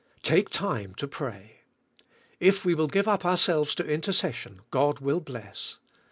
Take time to pray. If we will give up ourselves to intercession God will bless.